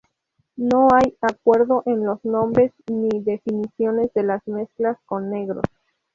No hay acuerdo en los nombres, ni definiciones, de las mezclas con negros.